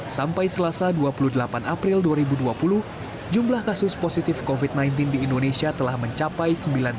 sampai selasa dua puluh delapan april dua ribu dua puluh jumlah kasus positif covid sembilan belas di indonesia telah mencapai sembilan ratus